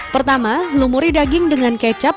pertama lumuri daging dengan kecap